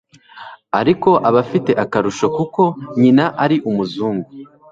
ariko afite akarusho kuko nyina ari umuzungu